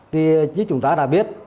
thì như chúng ta đã biết